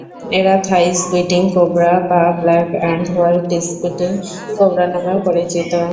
এরা Thai spitting cobra বা black and white spitting cobra নামেও পরিচিত।